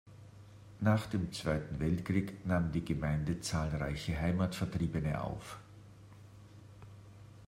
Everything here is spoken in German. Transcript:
Nach dem Zweiten Weltkrieg nahm die Gemeinde zahlreiche Heimatvertriebene auf.